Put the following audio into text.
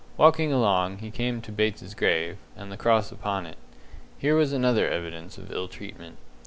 Walking along, he came to Bates's grave, and the cross upon it. Here was another evidence of ill treatment.